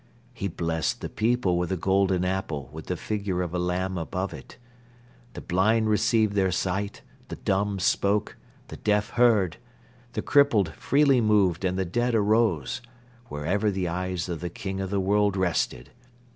He blessed the people with a golden apple with the figure of a Lamb above it. The blind received their sight, the dumb spoke, the deaf heard, the crippled freely moved and the dead arose, wherever the eyes of the King of the World rested.